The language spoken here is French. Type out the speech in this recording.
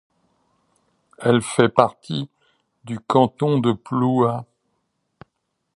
Elle fait partie du canton de Plouha.